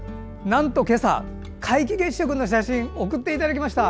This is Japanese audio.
なんと今朝、皆既月食の写真を送っていただきました。